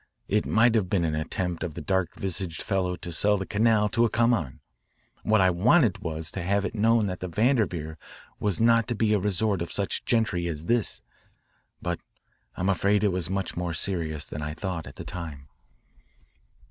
It might have been an attempt of the dark visaged fellow to sell the Canal to a come on. What I wanted was to have it known that the Vanderveer was not to be a resort of such gentry as this. But I'm afraid it was much more serious than I thought at the time.